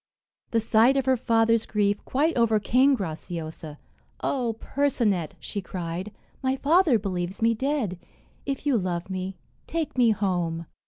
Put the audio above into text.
The sight of her father's grief quite overcame Graciosa. "Oh, Percinet!" she cried, "my father believes me dead. If you love me, take me home."